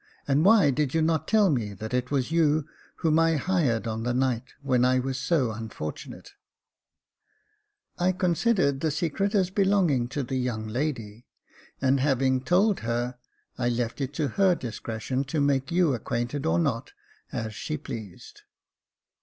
And why did you not tell me that it was you whom I hired on the night when I was so unfortunate ?"" I considered the secret as belonging to the young lady, and having told her, I left it to her discretion to make you acquainted or not, as she pleased."